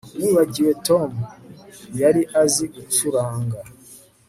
Nibagiwe Tom yari azi gucuranga